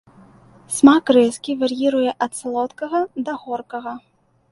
Смак рэзкі, вар'іруе ад салодкага да горкага.